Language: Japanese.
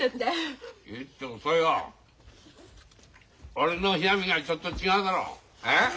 俺の冷や麦はちょっと違うだろええ？